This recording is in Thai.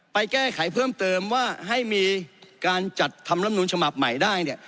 ไปแก้ไขเพิ่มเติมว่าให้มีการจัดทำลำนูลฉบับใหม่ได้เนี่ย